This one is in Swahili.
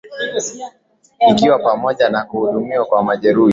ikiwa pamoja na kuhudumiwa kwa majeruhi